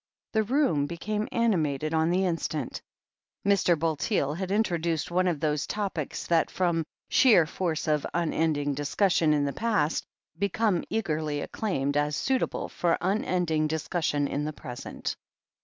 ' The room became animated on the instant. Mr. Bulteel had introduced one of those topics, that, from sheer force of unending discussion in the past, become eagerly acclaimed as suitable for unending dis cussion in the present.